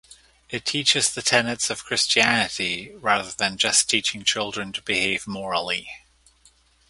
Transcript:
It teaches the tenets of Christianity rather than just teaching children to behave morally.